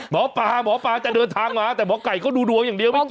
หมอปลาหมอปลาจะเดินทางมาแต่หมอไก่เขาดูดวงอย่างเดียวไม่เจอ